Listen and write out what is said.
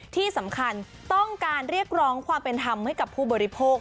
ที่สำคัญต้องการเรียกร้องความเป็นธรรมให้กับผู้บริโภค